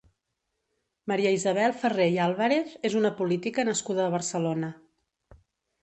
Maria Isabel Ferrer i Álvarez és una política nascuda a Barcelona.